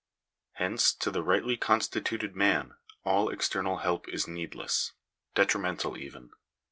Hence to the rightly constituted man all external help is needless — detrimental even.